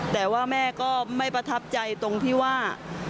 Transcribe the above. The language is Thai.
แต่ว่าแม่ก็ไม่ประทับใจตรงที่ว่า